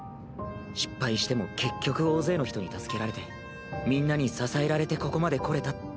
失敗しても結局大勢の人に助けられてみんなに支えられてここまで来れたって。